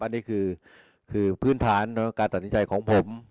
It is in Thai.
อันนี้คือพื้นฐานการตัดสินใจของผม